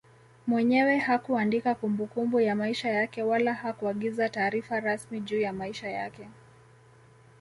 Mwenyewe hakuandika kumbukumbu ya maisha yake wala hakuagiza taarifa rasmi juu ya maisha yake